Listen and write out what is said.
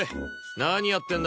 何やってんだ？